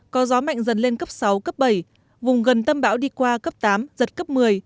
có gió mạnh dần lên cấp sáu cấp bảy vùng gần tâm bão đi qua cấp tám giật cấp một mươi